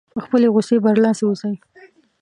په خپلې غوسې برلاسی اوسي.